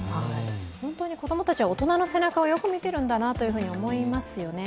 本当に子供たちは大人の背中をよく見ているんだなと思いますよね。